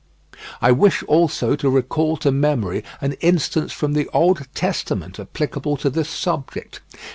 I wish also to recall to memory an instance from the Old Testament applicable to this subject.